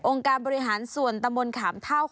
องค์การบริหารสวนตะบลขามเท้า